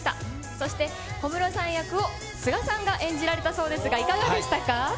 そして、小室さん役を須賀さんが演じられたんですが、いかがでしたか。